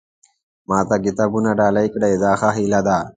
ما ته کتابونه ډالۍ کړي دا ښه هیله ده.